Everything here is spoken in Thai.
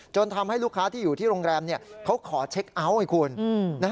ทำให้ลูกค้าที่อยู่ที่โรงแรมเขาขอเช็คเอาท์ให้คุณ